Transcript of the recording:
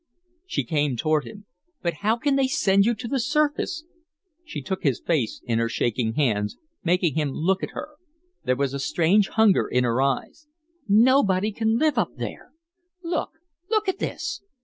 She came toward him. "But how can they send you to the surface?" She took his face in her shaking hands, making him look at her. There was a strange hunger in her eyes. "Nobody can live up there. Look, look at this!"